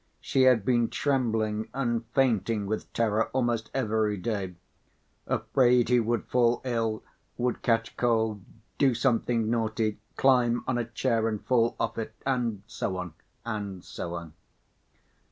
She had been trembling and fainting with terror almost every day, afraid he would fall ill, would catch cold, do something naughty, climb on a chair and fall off it, and so on and so on.